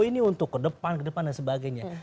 ini untuk kedepan dan sebagainya